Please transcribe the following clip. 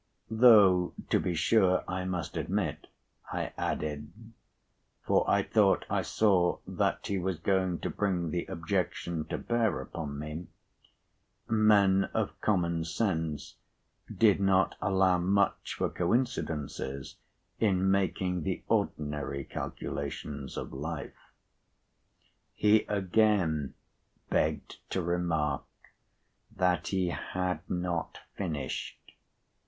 Though to be sure I must admit, I added (for I thought I saw that he was going to bring the objection to bear upon me), men of common sense did not allow much for coincidences in making the ordinary calculations of life. He again begged to remark that he had not finished.